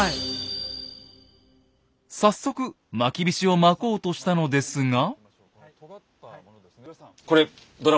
早速まきびしをまこうとしたのですが。